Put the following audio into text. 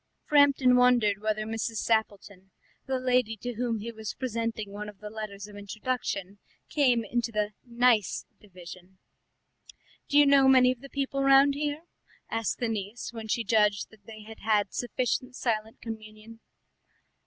Framton wondered whether Mrs. Sappleton, the lady to whom he was presenting one of the letters of introduction, came into the nice division. "Do you know many of the people round here?" asked the niece, when she judged that they had had sufficient silent communion.